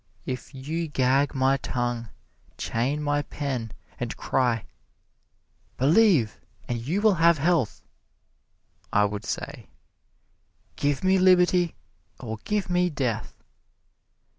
If you gag my tongue, chain my pen and cry, "Believe and you will have Health," I would say, "Give me liberty or give me death!"